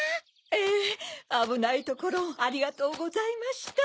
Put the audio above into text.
ええあぶないところをありがとうございました。